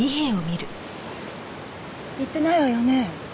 言ってないわよね？